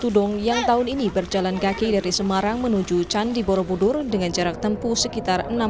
tudong yang tahun ini berjalan kaki dari semarang menuju candi borobudur dengan jarak tempuh sekitar